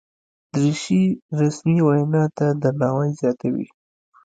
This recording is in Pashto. دریشي رسمي وینا ته درناوی زیاتوي.